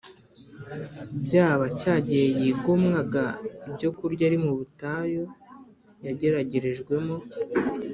byaba cya gihe yigomwaga ibyokurya ari mu butayu yageragerejwemo,